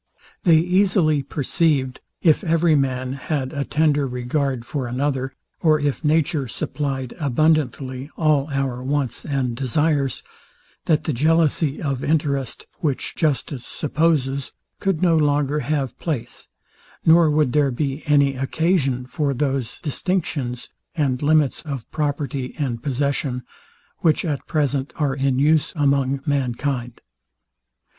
They easily perceived, if every man had a tender regard for another, or if nature supplied abundantly all our wants and desires, that the jealousy of interest, which justice supposes, could no longer have place; nor would there be any occasion for those distinctions and limits of property and possession, which at present are in use among mankind.